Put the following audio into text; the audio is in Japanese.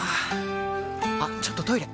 あっちょっとトイレ！